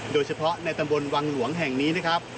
โดยเฉพาะในตำบลวังหลวงแห่งนี้นะครับ